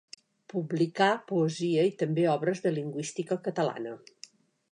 Publicà poesia i també obres de lingüística catalana.